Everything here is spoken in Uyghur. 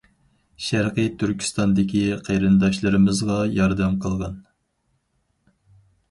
شەرقى تۈركىستاندىكى قېرىنداشلىرىمىزغا ياردەم قىلغىن !